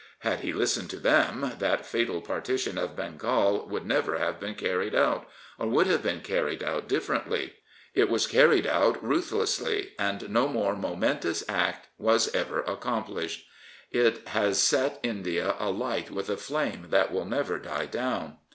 Had he listened to them, that fatal partition of Bengal would never have been carried out, or would have been carried out differently. It was carried out ruthlessly, and no more momentous act was ever accomplished. It has set India alight with a flame that will never die down.